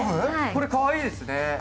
これかわいいですね。